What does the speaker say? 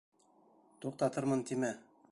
Туҡтатырмын тимә.